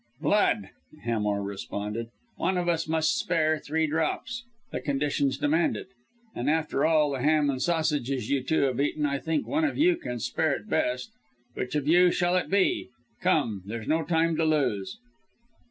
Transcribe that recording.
"Blood!" Hamar responded. "One of us must spare three drops. The conditions demand it and after all the ham and sausages you two have eaten I think one of you can spare it best. Which of you shall it be? Come, there's no time to lose!"